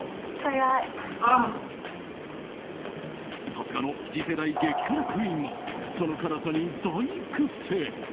さすがの次世代激辛クイーンもその辛さに大苦戦。